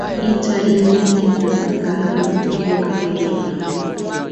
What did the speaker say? ita ime itatangaza matokeo kadiri inavyo